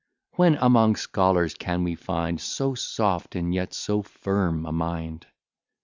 When, among scholars, can we find So soft and yet so firm a mind?